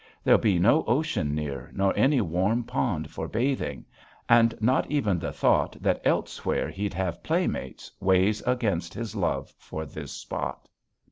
There'll be no ocean near nor any warm pond for bathing. And not even the thought that elsewhere he'd have playmates weighs against his love for this spot.